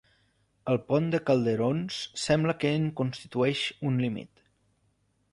El pont de Calderons sembla que en constitueix un límit.